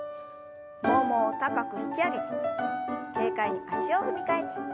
ももを高く引き上げて軽快に足を踏み替えて。